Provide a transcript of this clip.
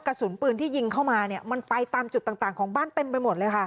กระสุนปืนที่ยิงเข้ามาเนี่ยมันไปตามจุดต่างของบ้านเต็มไปหมดเลยค่ะ